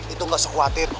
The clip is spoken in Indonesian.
itu gak sekhawatir